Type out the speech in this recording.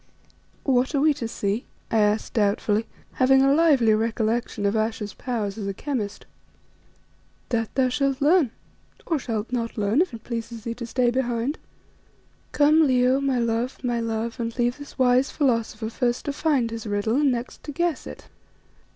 "What are we to see?" I asked doubtfully, having a lively recollection of Ayesha's powers as a chemist. "That thou shalt learn, or shalt not learn if it pleases thee to stay behind. Come, Leo, my love, my love, and leave this wise philosopher first to find his riddle and next to guess it."